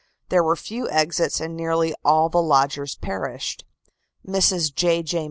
There were few exits and nearly all the lodgers perished. Mrs. J. J.